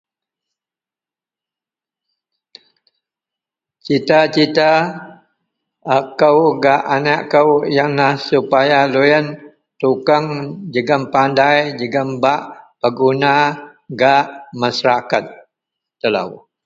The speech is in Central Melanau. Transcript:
cita -cita akou gak aneak kou ienlah supaya deloyien tukang jegum pandai jegum bak berguna gak masyarakat telou